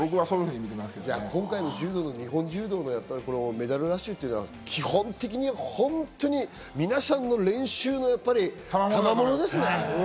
今回の日本柔道、メダルラッシュというのは基本的に本当に皆さんの練習のたまものですね。